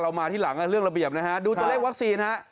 มาที่หลังเรื่องระเบียบนะฮะดูตัวเลขวัคซีนฮะ